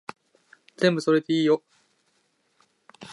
全部それでいいよ